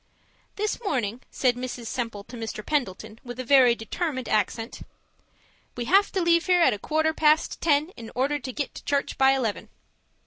This morning, said Mrs. Semple to Mr. Pendleton, with a very determined accent: 'We have to leave here at a quarter past ten in order to get to church by eleven.'